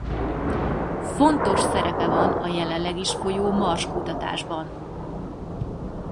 Fontos szerepe van a jelenleg is folyó Mars-kutatásban.